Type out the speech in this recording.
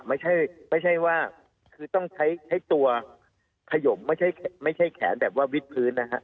ไม่ใช่ไม่ใช่ว่าคือต้องใช้ตัวขยมไม่ใช่แขนแบบว่าวิดพื้นนะฮะ